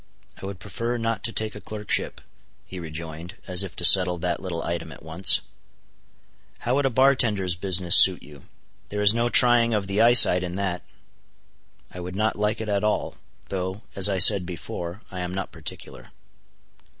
"I would prefer not to take a clerkship," he rejoined, as if to settle that little item at once. "How would a bar tender's business suit you? There is no trying of the eyesight in that." "I would not like it at all; though, as I said before, I am not particular."